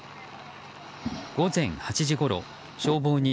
午前８時ごろ、消防に